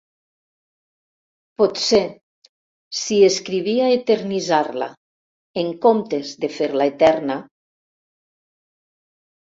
Potser si escrivia eternitzar-la en comptes de fer-la eterna...